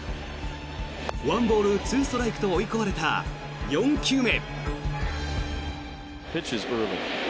１ボール２ストライクと追い込まれた４球目。